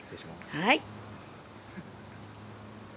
はい。